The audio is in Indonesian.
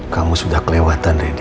kamu sudah kelewatan randy